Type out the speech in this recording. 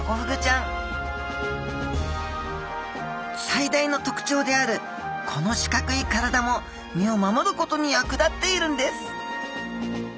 最大の特徴であるこの四角い体も身を守ることに役立っているんです！